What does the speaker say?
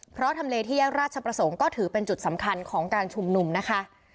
เพราะทำเลที่แยกราชประสงค์ก็ถือเป็นจุดสำคัญของการชุมนุมนะคะ